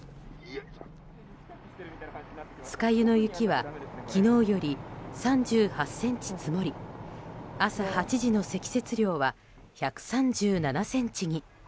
酸ヶ湯の雪は昨日より３８ｃｍ積もり朝８時の積雪量は１３７ｃｍに。